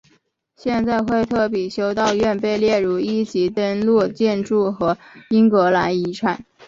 现在惠特比修道院被列入一级登录建筑和英格兰遗产。